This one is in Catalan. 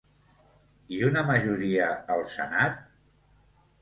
I una majoria al senat?